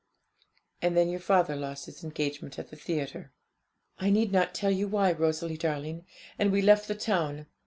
'And then your father lost his engagement at the theatre, I need not tell you why, Rosalie darling, and we left the town.